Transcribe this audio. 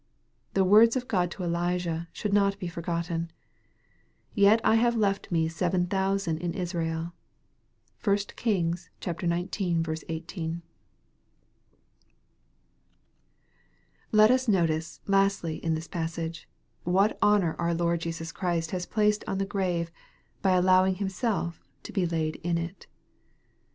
The words of God to Elijah should not be forgotten, " Yet I have left me seven thousand in Israel." (1 Kings xix. 18.) Let us notice, lastly in this passage, what honor our Lord Jesus Christ has placed on the grave, by allowing Himself to be laid in it.